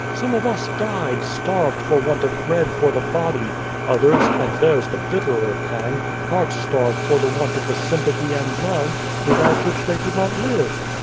Some of us died, starved for want of bread for the body ; others and theirs the bitterer pang heart starved for the want of the sympathy and love, without which they could not live.